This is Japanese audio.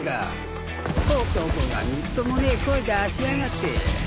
男がみっともねえ声出しやがって。